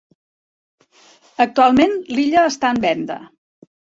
Actualment l'illa està en venda.